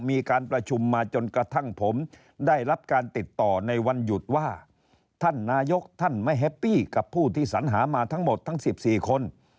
มีการประชุมมาจนกระทั่งผมได้รับการติดต่อในวันหยุดว่าท่านนายกท่านไม่แฮปปี้กับผู้ที่สัญหามาทั้งหมดทั้ง๑๔คน